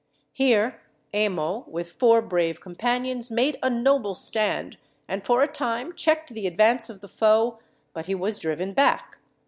Here Emo, with four brave companions, made a noble stand, and for a time checked the advance of the foe; but he was driven back.